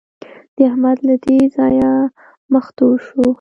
د احمد له دې ځايه مخ تور شو.